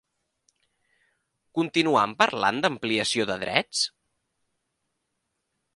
Continuam parlant d'ampliació de drets?